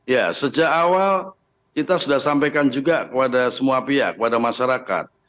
ya sejak awal kita sudah sampaikan juga kepada semua pihak kepada masyarakat